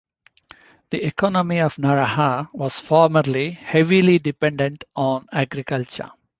The economy of Naraha was formerly heavily dependent on agriculture.